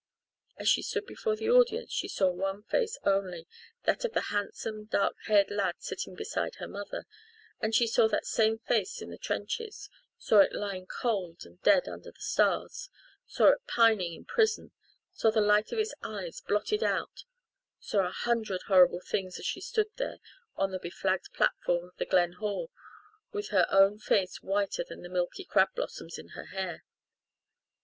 As she stood before the audience she saw one face only that of the handsome, dark haired lad sitting beside her mother and she saw that same face in the trenches saw it lying cold and dead under the stars saw it pining in prison saw the light of its eyes blotted out saw a hundred horrible things as she stood there on the beflagged platform of the Glen hall with her own face whiter than the milky crab blossoms in her hair.